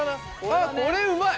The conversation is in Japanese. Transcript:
あっこれうまい！